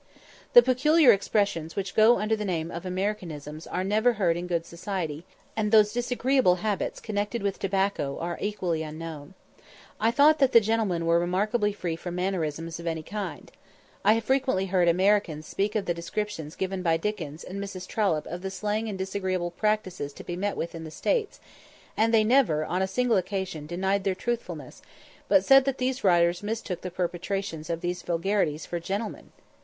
The peculiar expressions which go under the name of Americanisms are never heard in good society, and those disagreeable habits connected with tobacco are equally unknown. I thought that the gentlemen were remarkably free from mannerisms of any kind. I have frequently heard Americans speak of the descriptions given by Dickens and Mrs. Trollope of the slang and disagreeable practices to be met with in the States; and they never, on a single occasion, denied their truthfulness, but said that these writers mistook the perpetrators of these vulgarities for gentlemen.